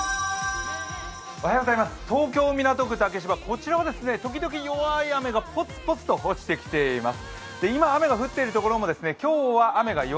東京・港区竹芝、こちらは時々弱い雨がポツポツと落ちてきています。